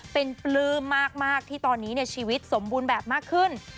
เป็นปลื้มมากที่ตอนนี้ชีวิตสมบูรณ์แบบมากขึ้น